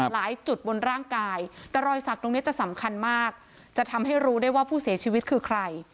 หลายจุดบนร่างกายแต่รอยสักตรงนี้จะสำคัญมากจะทำให้รู้ได้ว่าผู้เสียชีวิตคือใคร